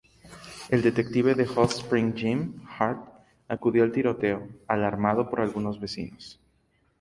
El detective de Hot Springs Jim Hart acudió al tiroteo, alarmado por algunos vecinos.